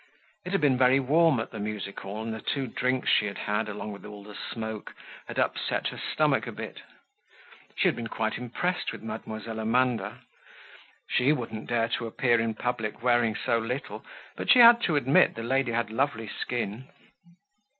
It had been very warm at the music hall and the two drinks she had had, along with all the smoke, had upset her stomach a bit. She had been quite impressed with Mademoiselle Amanda. She wouldn't dare to appear in public wearing so little, but she had to admit that the lady had lovely skin.